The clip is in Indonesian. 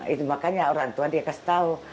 itu makanya orang tua dia kasih tahu